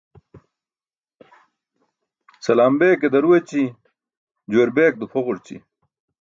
Salam beke daru eci̇, juwar bek dupʰoġurći.